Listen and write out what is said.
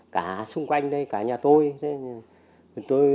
cả xung quanh đây cả nhà tôi